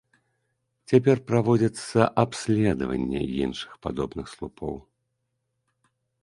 Цяпер праводзіцца абследаванне іншых падобных слупоў.